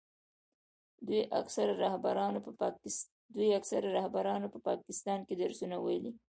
دوی اکثرو رهبرانو په پاکستان کې درسونه ویلي.